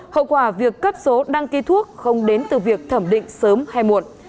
hậu quả việc cấp số đăng ký thuốc không đến từ việc thẩm định sớm hay muộn